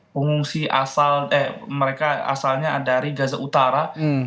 pengungsi mereka asalnya dari gaza utara